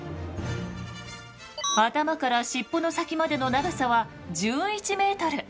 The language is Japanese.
頭から尻尾の先までの長さは１１ｍ。